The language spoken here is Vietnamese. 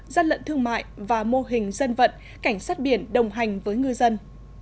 gian lận thương mại và mô hình dân vận cảnh sát biển đồng hành với ngư dân